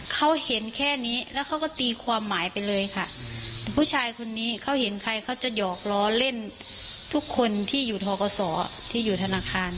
เขาเห็นแค่นี้แล้วเขาก็ตีความหมายไปเลยค่ะผู้ชายคนนี้เขาเห็นใครเขาจะหยอกล้อเล่นทุกคนที่อยู่ทกศที่อยู่ธนาคาร